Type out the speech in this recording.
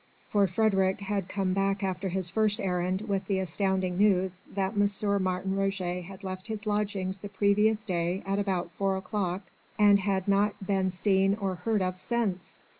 For Frédérick had come back after his first errand with the astounding news that M. Martin Roget had left his lodgings the previous day at about four o'clock, and had not been seen or heard of since.